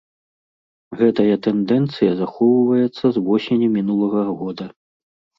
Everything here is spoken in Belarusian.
Гэтая тэндэнцыя захоўваецца з восені мінулага года.